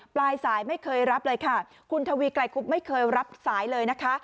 ปลายสายไม่เคยรับเลยค่ะคุณทวีไกลคุบไม่เคยรับสายเลยนะคะ